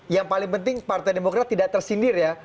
yang paling penting partai demokrat tidak tersindir ya